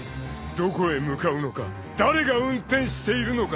［どこへ向かうのか誰が運転しているのか］